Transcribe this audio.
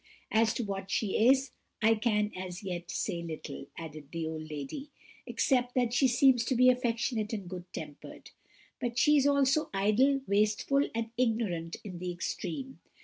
As to what she is, I can as yet say little," added the old lady, "except that she seems to be affectionate and good tempered; but she is also idle, wasteful, and ignorant in the extreme.